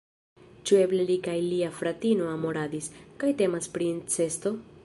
Ĉu eble li kaj lia fratino amoradis, kaj temas pri incesto?